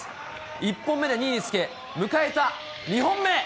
１本目で２位につけ、迎えた２本目。